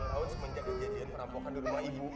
ini udah dua tahun semenjak kejadian perampokan di rumah ibu